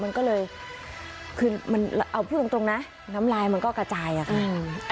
มันก็เลยคือมันเอาพูดตรงตรงนะน้ำลายมันก็กระจายอะค่ะ